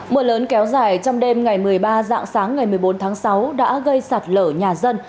mưa lớn kéo dài trong đêm ngày một mươi ba dạng sáng ngày một mươi bốn tháng sáu đã gây sạt lở nhà dân